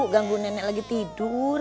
ganggu nenek lagi tidur